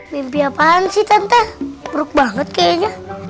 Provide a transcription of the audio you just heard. mimpi apaan sih tante buruk banget kayaknya